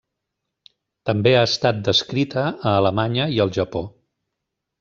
També ha estat descrita a Alemanya i el Japó.